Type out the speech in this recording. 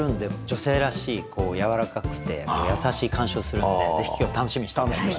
女性らしいやわらかくて優しい鑑賞するんでぜひ今日楽しみにして下さい。